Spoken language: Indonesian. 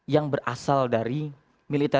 yang berasal dari milik kita